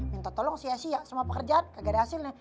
minta tolong sia sia semua pekerjaan gak ada hasilnya